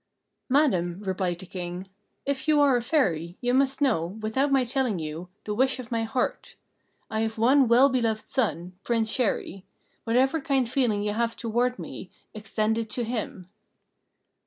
"Madam," replied the King, "if you are a Fairy, you must know, without my telling you, the wish of my heart. I have one well beloved son, Prince Chéri: whatever kindly feeling you have toward me, extend it to him."